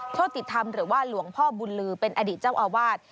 โชติธรรมหรือว่าหลวงพ่อบุญลือเป็นอดีตเจ้าอาวาส